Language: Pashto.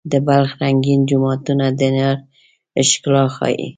د بلخ رنګین جوماتونه د هنر ښکلا ښيي.